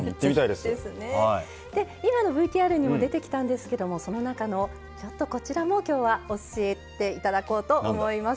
で今のＶＴＲにも出てきたんですけどもその中のちょっとこちらも今日は教えていただこうと思います。